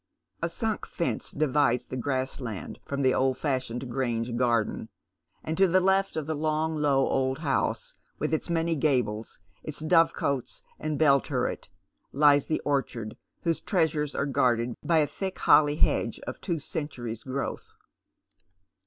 A sunk fence divides the grass land from the old fashioned Grange garden ; and to the left of the long low old house, with its many gables, its dovecotes and bell tuiTet, lies the orchard, whose treasures are guarded by a thick holly hedge of two centuries' growth.